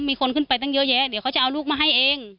มีคนขึ้นไปตั้งเยอะแยะเดี๋ยวเขาจะเอาลูกมาให้เอง